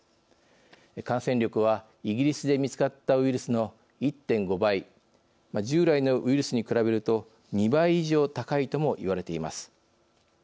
感染力は、イギリスで見つかったウイルスの１．５倍従来のウイルスに比べると２倍以上高いとも言われています。